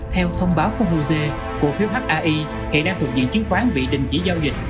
theo thông báo của hosea cổ phiếu hai hãy đang thuộc diện chứng khoán vị định chỉ giao dịch